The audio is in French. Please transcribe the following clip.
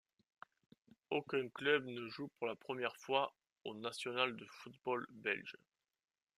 Aucun club ne joue pour la première fois au national du football belge.